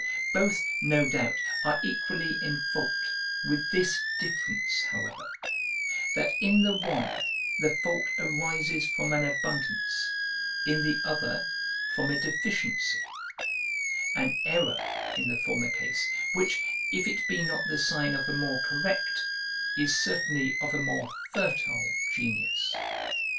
Both, no doubt, are equally in fault, with this difference, however, that in the one the fault arises from an abundance, in the other, from a deficiency; an error, in the former case, which, if it be not the sign of a more correct, is certainly of a more fertile genius.